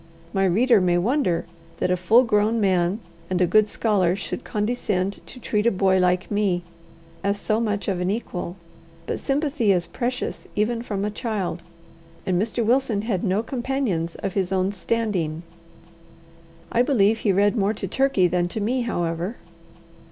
My reader may wonder that a full grown man and a good scholar should condescend to treat a boy like me as so much of an equal; but sympathy is precious even from a child, and Mr. Wilson had no companions of his own standing. I believe he read more to Turkey than to me, however.